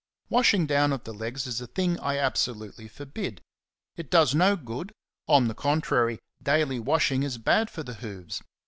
CHAPTER V. 33 Washing down of the legs is a thing I abso lutely forbid ; it does no good, — on the contrar)', daily washing is bad for the hoofs.